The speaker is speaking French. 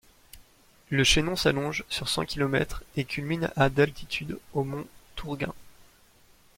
Le chaînon s'allonge sur cent kilomètres et culmine à d'altitude au mont Tourguen.